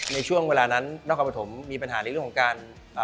ในช่วงเวลานั้นนครปฐมมีปัญหาในเรื่องของการ